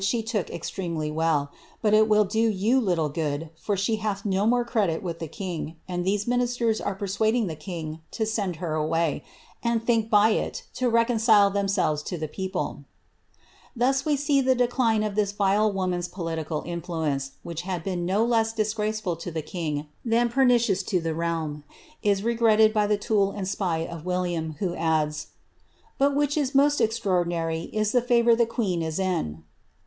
(he took extremely well ; but it will do you little good, for she more credit with the king, and these ministers are persuading the send her away, and think by it to reconcile themselves to the we see the decline of this vile woman's political influence. d been no less disgraceful to the king than pernicious to the regretted by the tool and spy of William, who adds, but Host extraordinary is the favour the queen is in."